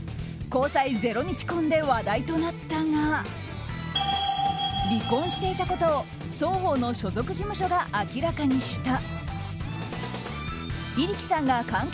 交際０日婚で話題となったが離婚していたことを双方の所属事務所が明らかにした。